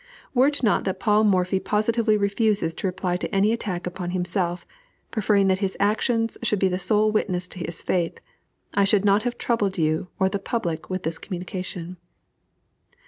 Were it not that Paul Morphy positively refuses to reply to any attack upon himself, preferring that his actions should be the sole witness to his faith, I should not have troubled you or the public with this communication.